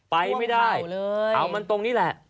ไปไม่ได้เอามันตรงนี้แหละ